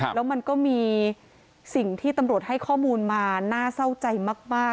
แล้วมันก็มีสิ่งที่ตำรวจให้ข้อมูลมาน่าเศร้าใจมาก